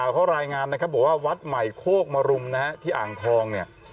เพราะว่าวัดใหม่โฆกมรุมนะครับที่อ่างทองเนี่ย